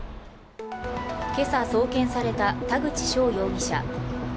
今朝送検された田口翔容疑者。